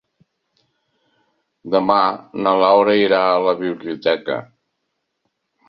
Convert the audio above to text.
Demà na Laura irà a la biblioteca.